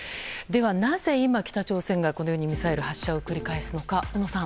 なぜ今、北朝鮮がこのようにミサイル発射を繰り返すのか。